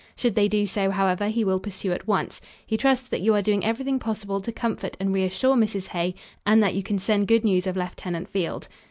Should they do so, however, he will pursue at once. He trusts that you are doing everything possible to comfort and reassure Mrs. Hay, and that you can send good news of Lieutenant Field.